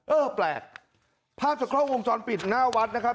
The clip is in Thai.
เออแปลกภาพจากกล้องวงจรปิดหน้าวัดนะครับ